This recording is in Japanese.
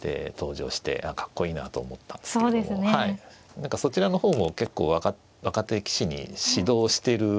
何かそちらの方も結構若手棋士に指導してる。